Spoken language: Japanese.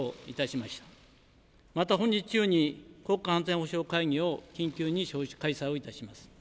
また本日中に国家安全保障会議を緊急に開催いたします。